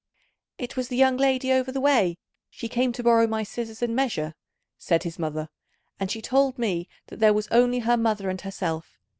"It was the young lady over the way; she came to borrow my scissors and measure," said his mother, "and she told me that there was only her mother and herself.